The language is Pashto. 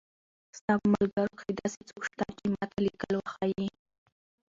ستا په ملګرو کښې داسې څوک شته چې ما ته ليکل وښايي